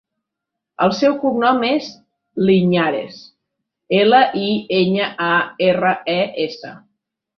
El seu cognom és Liñares: ela, i, enya, a, erra, e, essa.